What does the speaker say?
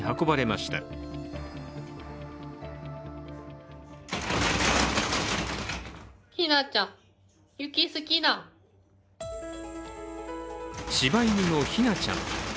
しば犬のひなちゃん。